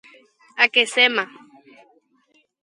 Akeséma.